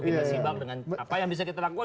kita simak dengan apa yang bisa kita lakukan